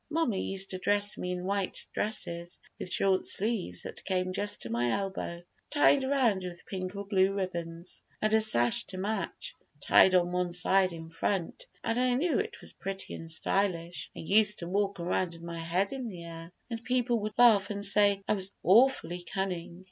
Mamma used to dress me in white dresses with short sleeves that came just to my elbow, tied round with pink or blue ribbons, and a sash to match, tied on one side in front, and I knew it was pretty and stylish, and used to walk around with my head in the air, and people would laugh and say I was awfully cunning.